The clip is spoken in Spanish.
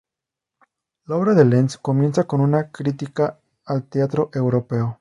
La obra de Lenz comienza con una crítica al teatro europeo.